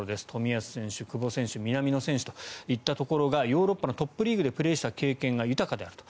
冨安選手、久保選手南野選手といったところがヨーロッパのトップリーグでプレーした経験が豊かであると。